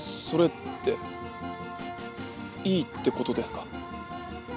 それっていいってことですか？